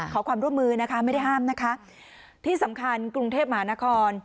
ขอความร่วมมือนะคะไม่ได้ห้ามนะคะที่สำคัญกรุงเทพมหานคร